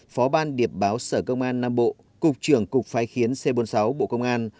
phó ban điệp báo sở công an nam bộ cục trưởng cục phái khiến c bốn mươi sáu bộ công an